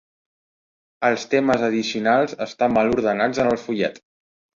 Els temes addicionals estan mal ordenats en el fullet.